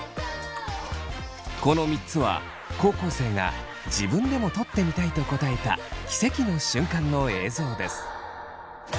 この３つは高校生が自分でも撮ってみたいと答えたキセキの瞬間の映像です。